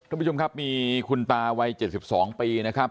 ทุกผู้ชมครับมีคุณตาวัยเจ็ดสิบสองปีนะครับ